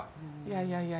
いやいや。